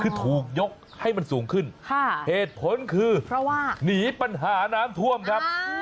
คือถูกยกให้มันสูงขึ้นเหตุผลคือเพราะว่าหนีปัญหาน้ำท่วมครับ